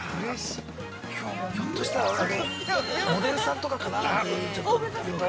◆ひょっとしたら、モデルさんとかかななんてきょう。